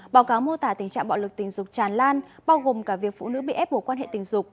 báo cáo mô tả tình trạng bạo lực tình dục tràn lan bao gồm cả việc phụ nữ bị ép bổ quan hệ tình dục